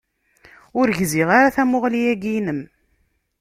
Ur gziɣ ara tamuɣli-ya-inem.